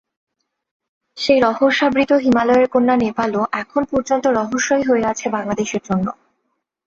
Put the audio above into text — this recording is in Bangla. সেই রহস্যাবৃত হিমালয়ের কন্যা নেপালও এখন পর্যন্ত রহস্যই হয়ে আছে বাংলাদেশের জন্য।